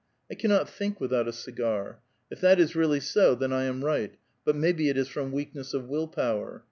" I cannot think without a cigar. If that is really ao, then I am right ; but maybe it is from weakness of will power.